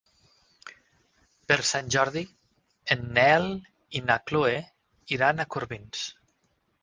Per Sant Jordi en Nel i na Chloé iran a Corbins.